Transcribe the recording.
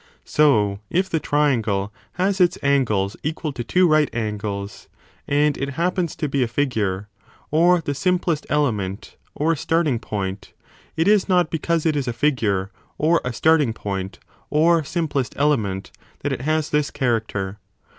So, if the 40 triangle has its angles equal to two right angles, and it i68 b happens to be a figure, or the simplest element or starting point, it is not because it is a figure or a starting point or simplest element that it has this character.